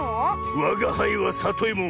わがはいはさといも。